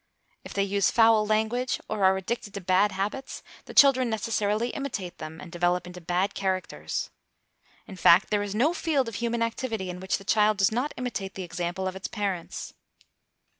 If they use foul language, or are addicted to bad habits, the children necessarily imitate them, and develop into bad characters. In fact, there is no field of human activity in which the child does not imitate the example of its parents.